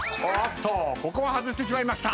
ここは外してしまいました。